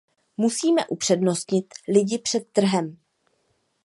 Musíme upřednostnit lidi před trhem.